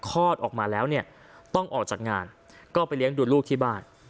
คลอดออกมาแล้วเนี่ยต้องออกจากงานก็ไปเลี้ยงดูลูกที่บ้าน